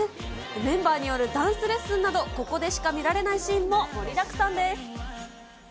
メンバーによるダンスレッスンなど、ここでしか見られないシーンも盛りだくさんです。